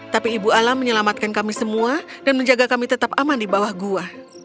tapi ibu alam menyelamatkan kami semua dan menjaga kami tetap aman di bawah gua